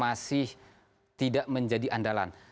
masih tidak menjadi andalan